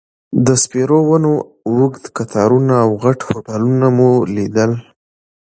د سپیرو ونو اوږد قطارونه او غټ هوټلونه مو لیدل.